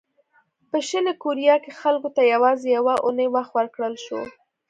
په شلي کوریا کې خلکو ته یوازې یوه اونۍ وخت ورکړل شو.